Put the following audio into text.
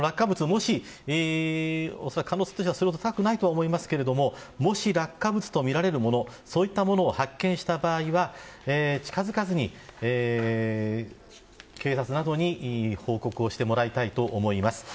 もし、可能性としては高くないと思いますがもし落下物とみられるものそういったものを発見した場合は近づかずに警察などに報告をしてもらいたいと思います。